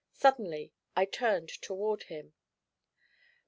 Suddenly I turned toward him.